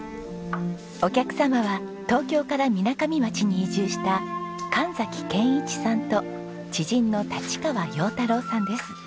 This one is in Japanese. お客様は東京からみなかみ町に移住した神崎憲一さんと知人の立川洋太郎さんです。